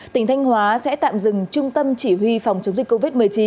tỉnh thanh hóa sẽ tạm dừng trung tâm chỉ huy phòng chống dịch covid một mươi chín